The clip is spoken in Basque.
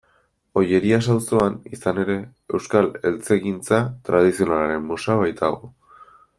Ollerias auzoan, izan ere, Euskal Eltzegintza Tradizionalaren Museoa baitago.